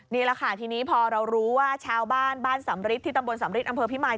นี่แหละค่ะทีนี้พอเรารู้ว่าชาวบ้านบ้านสำริทที่ตำบลสำริทอำเภอพิมาย